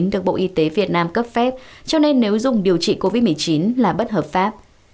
được bộ y tế việt nam cấp phép cho nên nếu dùng điều trị covid một mươi chín là bất hợp pháp